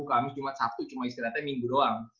kamis cuma sabtu cuma istirahatnya minggu doang